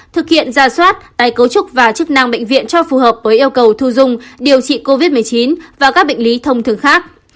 thực hiện ra soát tái cấu trúc và chức năng bệnh viện cho phù hợp với yêu cầu thu dung điều trị covid một mươi chín và các bệnh lý thông thường khác